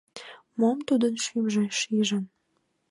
Мом тудын шӱмжӧ шижын?